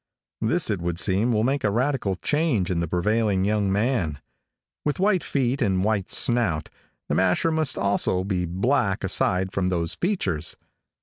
This, it would seem, will make a radical change in the prevailing young man. With white feet and white snout, the masher must also be black aside from those features.